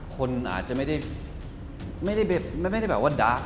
คนอาจจะไม่ได้แบบว่าดะ